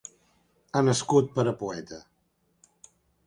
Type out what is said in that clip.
Ha nascut per a poeta.